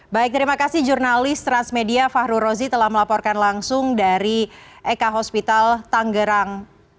baik terima kasih jurnalis transmedia fahru rozi telah melaporkan langsung dari ek hospital tanggerang